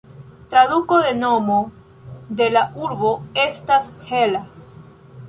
Traduko de nomo de la urbo estas "hela".